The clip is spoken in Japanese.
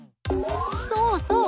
そうそう。